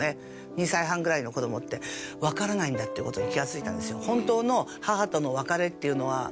２歳半ぐらいの子供ってわからないんだっていう事に気がついたんですよ。